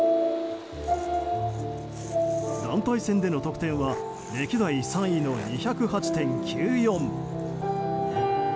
団体戦での得点は世界３位の第２０８．９４。